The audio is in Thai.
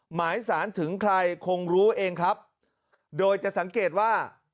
หมายสารถึงใครคงรู้เองครับโดยจะสังเกตว่า